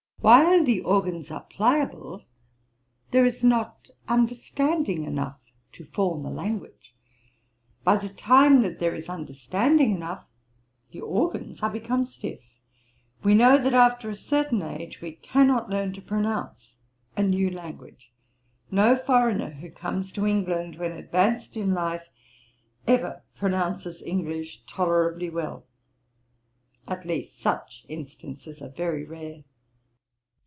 While the organs are pliable, there is not understanding enough to form a language; by the time that there is understanding enough, the organs are become stiff. We know that after a certain age we cannot learn to pronounce a new language. No foreigner, who comes to England when advanced in life, ever pronounces English tolerably well; at least such instances are very rare.